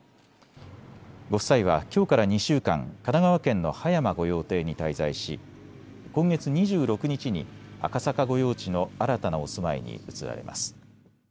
ご夫妻はきょうから２週間、神奈川県の葉山御用邸に滞在し今月２６日に赤坂御用地の新たなお住まいに移られます。